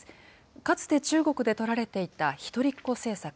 かつて中国で取られていた一人っ子政策。